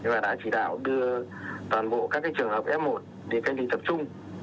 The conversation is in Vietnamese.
và đã chỉ đạo đưa toàn bộ các trường hợp f một để cách ly tập trung